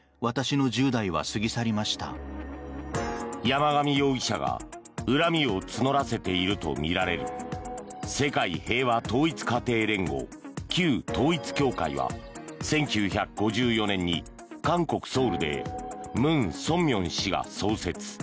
山上容疑者が恨みを募らせているとみられる世界平和統一家庭連合旧統一教会は１９５４年に韓国ソウルでムン・ソンミョン氏が創設。